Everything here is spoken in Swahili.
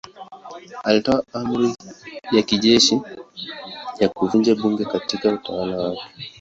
Alitoa amri ya kijeshi ya kuvunja bunge katika utawala wake.